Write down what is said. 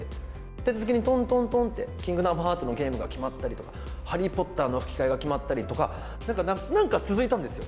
立て続けにとんとんとんって、キングダムハーツのゲームが決まったりとか、ハリー・ポッターの吹き替えが決まったりとか、なんか続いたんですよ。